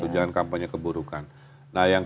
jangan kampanye keburukan nah yang